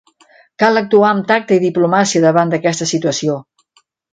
Cal actuar amb tacte i diplomàcia davant d'aquesta situació.